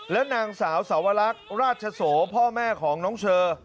และนางสาวสวรรคราชโสพ่อแม่ของน้องเชอ